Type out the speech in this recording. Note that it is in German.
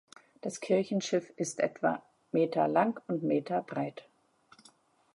Das Kirchenschiff ist etwa Meter lang und Meter breit.